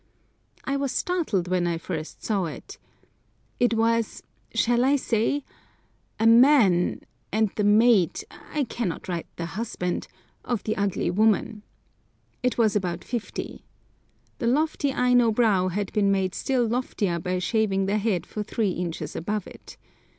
I was startled when I first saw it. It was—shall I say?—a man, and the mate, I cannot write the husband, of the ugly woman. It was about fifty. The lofty Aino brow had been made still loftier by shaving the head for three inches above it.